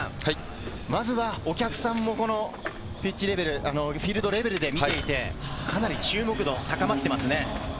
まずはお客さんもピッチレベル、フィールドレベルで見ていて、かなり注目度が高まってますね。